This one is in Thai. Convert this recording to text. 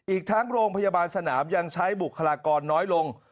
อีกทั้งโรงพยาบาลสนามยังใช้บุคลากรน้อยลง